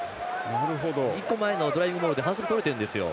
１個前のドライビングボールで反則とれてるんですよ。